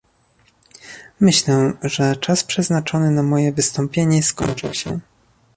Myślę, że czas przeznaczony na moje wystąpienie skończył się